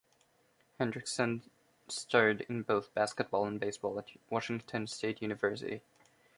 Hendrickson starred in both basketball and baseball at Washington State University.